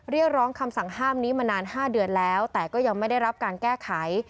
เรียกร้องคำสั่งห้ามนี้มานาน๕เดือนแล้วแต่ก็ยังไม่ได้รับการแก้ไข